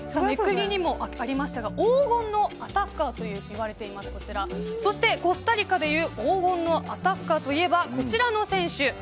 黄金のアタッカーと言われています、こちらそして、コスタリカでいう黄金のアタッカーといえばこちらの選手。